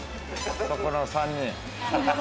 そこの３人。